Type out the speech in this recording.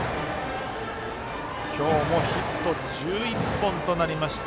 今日もヒット１１本となりました。